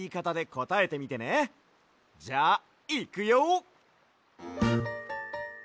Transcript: じゃあいくよ！